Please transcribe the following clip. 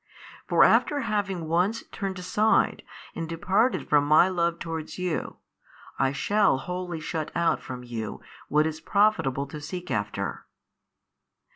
For after having once turned aside and departed from My Love towards you, I shall wholly shut out from you what is profitable to seek after.